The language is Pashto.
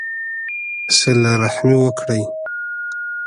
صلہ رحمي وکړئ